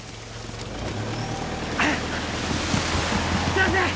先生！